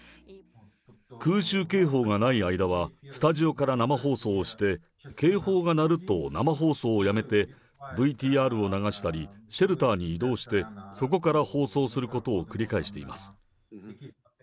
空襲警報がない間はスタジオから生放送をして、警報が鳴ると生放送をやめてＶＴＲを流したり、シェルターに移動して、そこから放送することを繰り返しています。